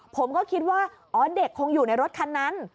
ผมก็คิดว่าอ๋อเด็กคงอยู่ในรถคันนั้น